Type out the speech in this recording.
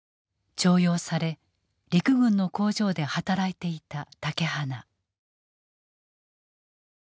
徴用され陸軍の工場で働いていた竹鼻。